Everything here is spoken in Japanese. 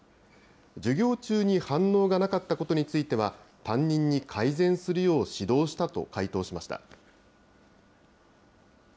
授業中に反応がなかったことについては、担任に改善するよう指導したと回答しました。